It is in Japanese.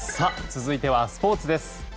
続いてはスポーツです。